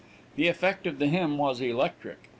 The effect of the hymn was electric.